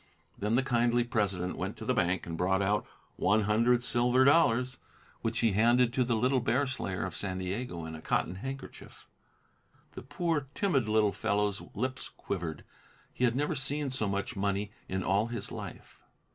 Then the kindly president went to the bank and brought out one hundred silver dollars, which he handed to the little Bear Slayer of San Diego in a cotton handkerchief. The poor, timid little fellow's lips quivered. He had never seen so much money in all his life.